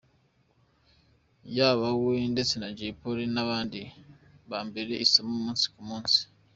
Yaba we ndetse na Jolly n’abandi bambera isomo umunsi ku munsi.